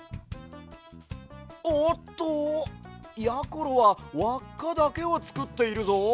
おっとやころはわっかだけをつくっているぞ！